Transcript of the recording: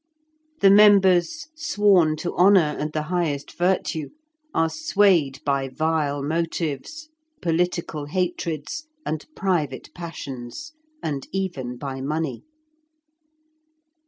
The members sworn to honour and the highest virtue are swayed by vile motives, political hatreds, and private passions, and even by money.